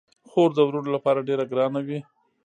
خور د وروڼو لپاره ډیره ګرانه وي.